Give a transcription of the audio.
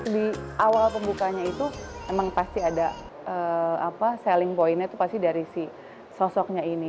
di awal pembukanya itu emang pasti ada selling pointnya itu pasti dari si sosoknya ini